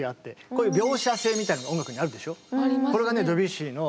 こういう描写性みたいのが音楽にあるでしょう。